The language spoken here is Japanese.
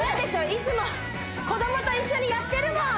いつも子供と一緒にやってるもん！